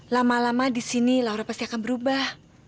lama lama disini laura pasti akan berubah